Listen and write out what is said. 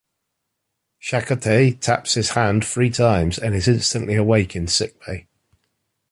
Chakotay taps his hand three times and is instantly awake in sickbay.